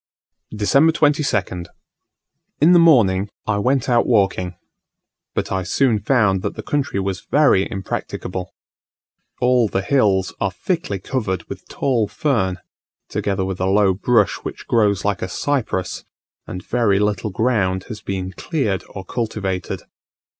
December 22nd. In the morning I went out walking; but I soon found that the country was very impracticable. All the hills are thickly covered with tall fern, together with a low bush which grows like a cypress; and very little ground has been cleared or cultivated.